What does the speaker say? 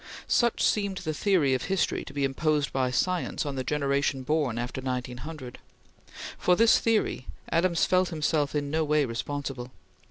Such seemed the theory of history to be imposed by science on the generation born after 1900. For this theory, Adams felt himself in no way responsible.